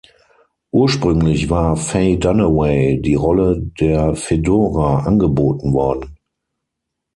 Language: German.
Ursprünglich war Faye Dunaway die Rolle der Fedora angeboten worden.